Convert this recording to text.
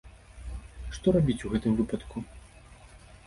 Што рабіць у гэтым выпадку?